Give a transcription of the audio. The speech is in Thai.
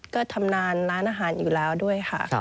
ก็ทำงานร้านอาหารอยู่แล้วด้วยค่ะ